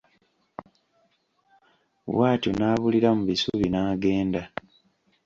Bw'atyo n'abulira mu bisubi n'agenda.